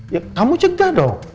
ya kamu cegah dong